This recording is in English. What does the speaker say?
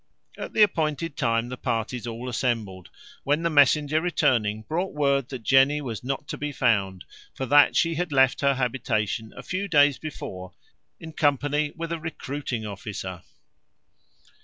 At the appointed time the parties all assembled, when the messenger returning brought word, that Jenny was not to be found; for that she had left her habitation a few days before, in company with a recruiting officer.